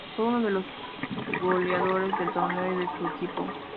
Fue uno de los goleadores del torneo y de su equipo.